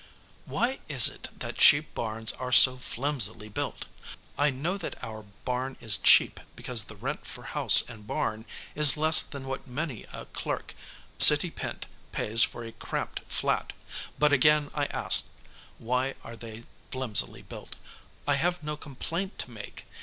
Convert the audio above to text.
Why is it that cheap barns are so flimsily built? I know that our barn is cheap because the rent for house and barn is less than what many a clerk, city pent, pays for a cramped flat, but again I ask, why are they flimsily built? I have no complaint to make.